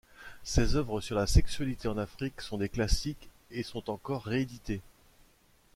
Ses œuvres sur la sexualité en Afrique sont des classiques et sont encore rééditées.